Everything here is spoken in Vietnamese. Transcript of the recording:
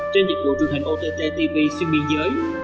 trên dịch vụ truyền hình ott tv xuyên biên giới